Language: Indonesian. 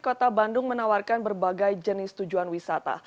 kota bandung menawarkan berbagai jenis tujuan wisata